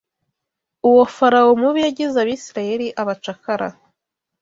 Uwo Farawo mubi yagize Abisirayeli abacakara